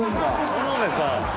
田辺さん！